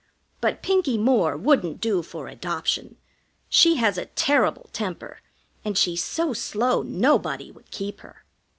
But Pinkie Moore wouldn't do for adoption. She has a terrible temper, and she's so slow nobody would keep her.